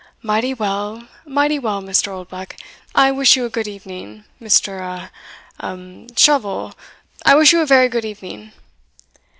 "Mighty well mighty well, Mr. Oldbuck I wish you a good evening Mr. a a a Shovel I wish you a very good evening."